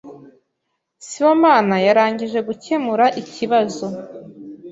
Sibomana yarangije gukemura ikibazo.